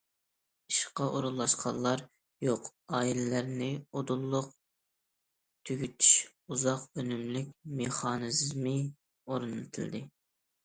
ئىشقا ئورۇنلاشقانلار يوق ئائىلىلەرنى ئۇدۇللۇق تۈگىتىش ئۇزاق ئۈنۈملۈك مېخانىزمى ئورنىتىلدى.